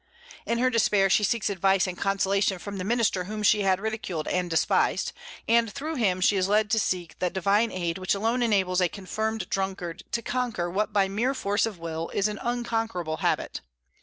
In her despair she seeks advice and consolation from the minister whom she had ridiculed and despised; and through him she is led to seek that divine aid which alone enables a confirmed drunkard to conquer what by mere force of will is an unconquerable habit.